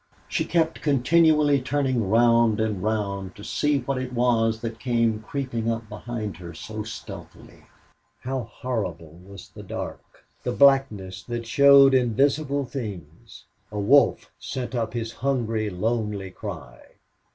She kept continually turning round and round to see what it was that came creeping up behind her so stealthily. How horrible was the dark the blackness that showed invisible things! A wolf sent up his hungry, lonely cry.